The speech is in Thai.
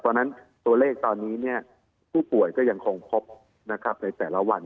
เพราะฉะนั้นตัวเลขตอนนี้ผู้ป่วยก็ยังคงพบในแต่ละวัน